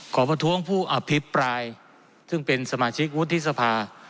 ประท้วงผู้อภิปรายซึ่งเป็นสมาชิกวุฒิสภา